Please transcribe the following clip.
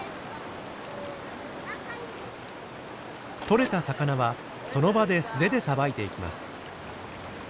取れた魚はその場で素手でさばいていきます。